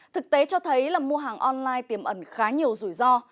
thực tế cho thấy là mua hàng online tiềm ẩn khá nhiều rủi ro